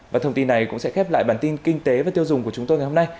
và thông tin này cũng sẽ khép lại bản tin kinh tế và tiêu dùng của chúng tôi ngày hôm nay